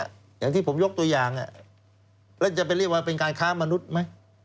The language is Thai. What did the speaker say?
อย่างที่ผมยกตัวอย่างแล้วจะไปเรียกว่าเป็นการค้ามนุษย์ไหม